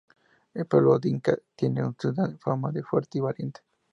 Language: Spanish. El pueblo dinka tiene en Sudán fama de fuerte y valiente.